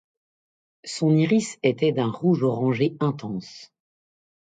Son iris était d'un rouge-orangé intense.